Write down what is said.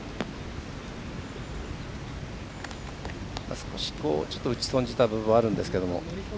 少し打ち損じた部分があるんですけど。